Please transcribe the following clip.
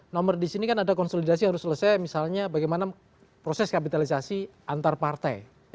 nomor di sini kan ada konsolidasi harus selesai misalnya bagaimana proses kapitalisasi antar partai